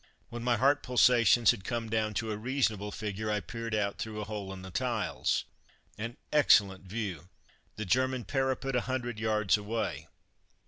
When my heart pulsations had come down to a reasonable figure I peered out through the hole in the tiles. An excellent view! The German parapet a hundred yards away!